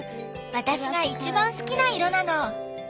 私が一番好きな色なの。